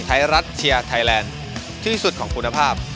ไทยรัฐเชียร์ไทยแลนด์ที่สุดของคุณภาพ